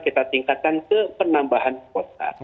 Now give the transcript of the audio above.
kita tingkatkan ke penambahan kuota